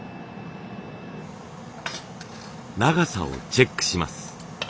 長さをチェックします。